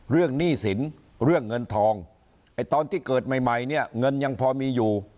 เรื่องหนี้สินเรื่องเงินทองตอนที่เกิดใหม่เงินยังพอมีอยู่